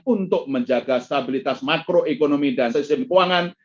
untuk menjaga stabilitas makroekonomi dan sistem keuangan